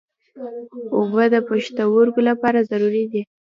اوبه د پښتورګو لپاره ضروري دي.